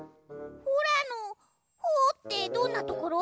「ほら」の「ほ」ってどんなところ？